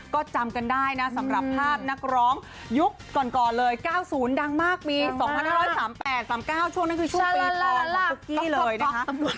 ก็จำกันได้นะสำหรับภาพนักร้องยุคก่อนเลย๙๐ดังมากปี๒๕๓๘๓๙ช่วงนั้นคือช่วงปีก่อนตุ๊กกี้เลยนะคะ